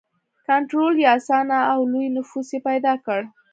کنټرول یې اسانه و او لوی نفوس یې پیدا کړ.